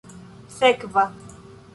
sekva